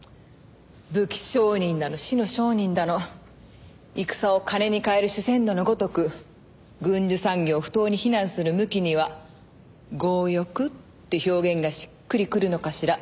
武器商人だの死の商人だの戦を金に換える守銭奴のごとく軍需産業を不当に非難する向きには「強欲」って表現がしっくりくるのかしら？